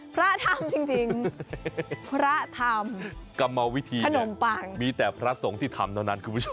พระธรรมจริงพระธรรมขนมปังมีแต่พระสงฆ์ที่ทำเท่านั้นคุณผู้ชม